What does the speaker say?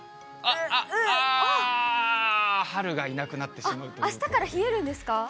あっ、あっ、あー、春がいなくなあしたから冷えるんですか？